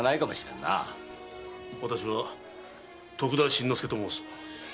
私は徳田新之助と申す。